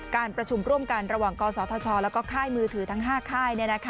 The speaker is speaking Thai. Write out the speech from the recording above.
การประชุมร่วมกันระหว่างกศธชแล้วก็ค่ายมือถือทั้ง๕ค่าย